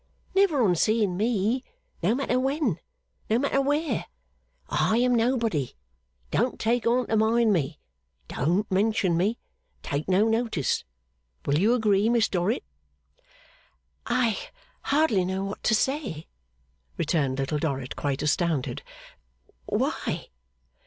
Never on seeing me, no matter when, no matter where. I am nobody. Don't take on to mind me. Don't mention me. Take no notice. Will you agree, Miss Dorrit?' 'I hardly know what to say,' returned Little Dorrit, quite astounded. 'Why?